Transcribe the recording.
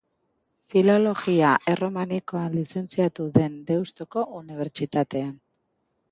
Filologia Erromanikoan lizentziatu zen Deustuko Unibertsitatean.